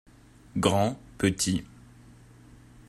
Grand / Petit.